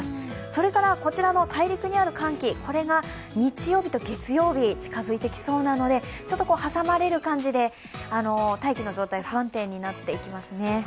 それから、こちらの大陸にある寒気、これが日曜日と月曜日近づいてきそうなので挟まれる感じで大気の状態が不安定になっていきますね。